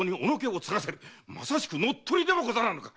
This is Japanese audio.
まさしく乗っ取りではござらぬか！